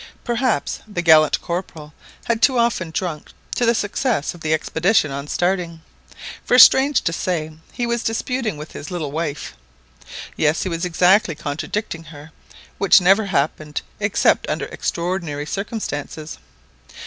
Perhaps the gallant Corporal had too often drunk to the success of the expedition on starting; for, strange to say, he was disputing with his little wife. Yes, he was actually contradicting her, which never happened except under extraordinary circumstances!